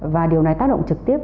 và điều này tác động trực tiếp